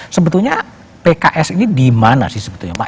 sebetulnya pks ini di mana sih sebetulnya pak